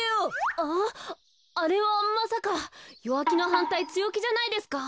ああれはまさか弱気のはんたい強気じゃないですか？